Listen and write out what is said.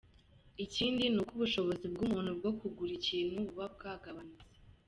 Ikindi ni uko ubushobozi bw’umuntu bwo kugura ikintu, buba bwagabanutse.